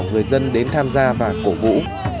người dân đến tham gia và cổ vũ